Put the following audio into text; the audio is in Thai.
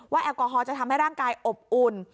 แอลกอฮอลจะทำให้ร่างกายอบอุ่น